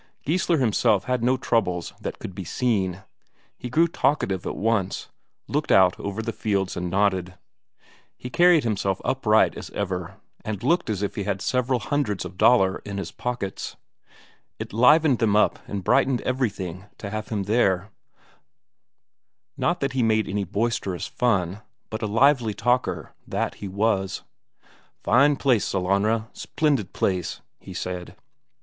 Geissler himself had no troubles that could be seen; he grew talkative at once, looked out over the fields and nodded. He carried himself upright as ever, and looked as if he had several hundreds of Daler in his pockets. It livened them up and brightened everything to have him there; not that he made any boisterous fun, but a lively talker, that he was. "Fine place, Sellanraa, splendid place," he said.